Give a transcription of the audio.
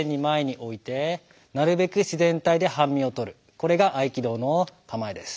これが合気道の構えです。